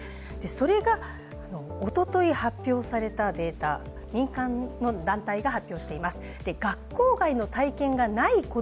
それがおととい発表されたデータ民間団体が発表しています。